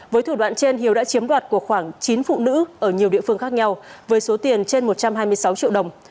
với thủ đoạn trên hiếu đã chiếm đoạt của khoảng chín phụ nữ ở nhiều địa phương khác nhau với số tiền trên một trăm hai mươi sáu triệu đồng